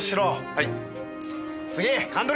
はい！